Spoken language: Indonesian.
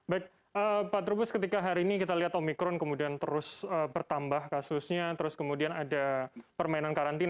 baik pak trubus ketika hari ini kita lihat omikron kemudian terus bertambah kasusnya terus kemudian ada permainan karantina